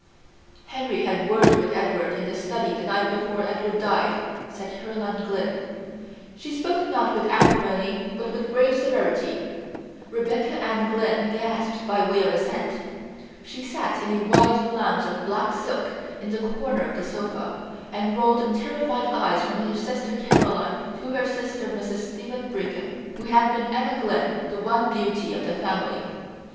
"Henry had words with Edward in the study the night before Edward died," said Caroline Glynn. She spoke not with acrimony, but with grave severity. Rebecca Ann Glynn gasped by way of assent. She sat in a wide flounce of black silk in the corner of the sofa, and rolled terrified eyes from her sister Caroline to her sister Mrs. Stephen Brigham, who had been Emma Glynn, the one beauty of the family.